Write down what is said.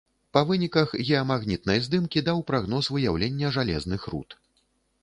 Па выніках геамагнітнай здымкі даў прагноз выяўлення жалезных руд.